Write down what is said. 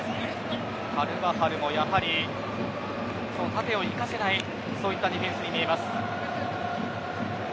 カルヴァハルもやはり縦に行かせないようなディフェンスに見えます。